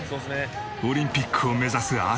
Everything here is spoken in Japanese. オリンピックを目指すアツト。